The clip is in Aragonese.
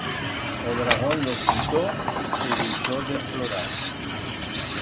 O dragón lo escuitó e deixó de plorar.